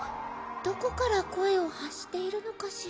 どこから声を発しているのかしら？